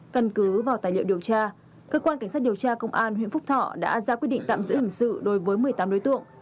căn cứ vào tài liệu điều tra cơ quan cảnh sát điều tra công an huyện phúc thọ đã ra quyết định tạm giữ hình sự đối với một mươi tám đối tượng